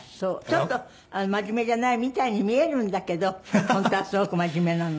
ちょっと真面目じゃないみたいに見えるんだけど本当はすごく真面目なのね。